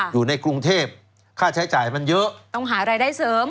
อยู่ในกรุงเทพค่าใช้จ่ายมันเยอะต้องหารายได้เสริม